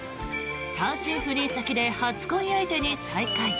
単身赴任先で初恋相手に再会。